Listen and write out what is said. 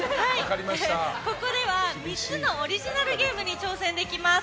ここでは３つのオリジナルゲームに挑戦できます。